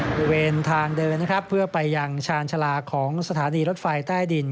บริเวณทางเดินนะครับเพื่อไปยังชาญชาลาของสถานีรถไฟใต้ดิน